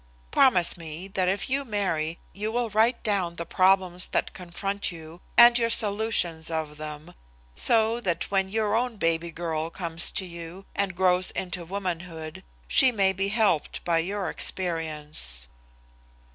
Promise me that if you marry you will write down the problems that confront you and your solution of them, so than when your own baby girl comes to you and grows into womanhood she may be helped by your experience."